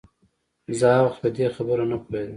زه هغه وخت په دې خبره نه پوهېدم.